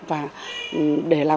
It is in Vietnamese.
và để làm